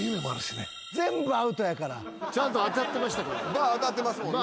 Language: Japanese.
バー当たってますもんね。